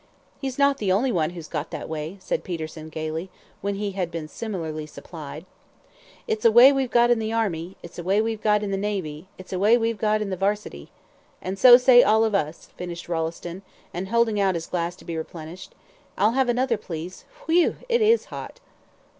"He's not the only one who's got that way," said Peterson, gaily, when he had been similarly supplied. "It's a way we've got in the army, It's a way we've got in the navy, It's a way we've got in the 'Varsity." "And so say all of us," finished Rolleston, and holding out his glass to be replenished; "I'll have another, please. Whew, it is hot."